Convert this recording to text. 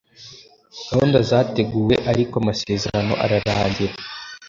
gahunda zateguwe, ariko amasezerano ararangira